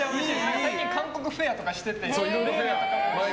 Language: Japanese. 最近、韓国フェアとかしてて冷麺とかも。